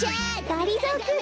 がりぞーくん